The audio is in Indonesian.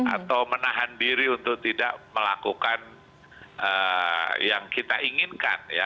atau menahan diri untuk tidak melakukan yang kita inginkan ya